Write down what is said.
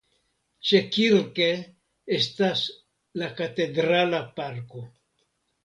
Ĉekirke estas la Katedrala parko.